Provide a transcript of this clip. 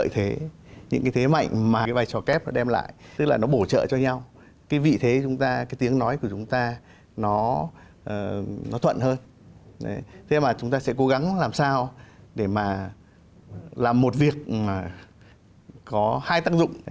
thế mà chúng ta sẽ cố gắng làm sao để mà làm một việc có hai tác dụng